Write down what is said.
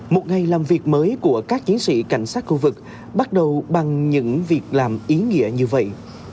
một ngày làm việc mới của các chiến sĩ cảnh sát khu vực bắt đầu bằng những việc làm ý nghĩa như vậy